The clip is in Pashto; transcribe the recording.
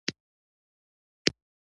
سيم يې له لپټاپ سره وصل کړ.